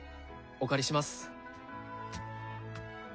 お借りします。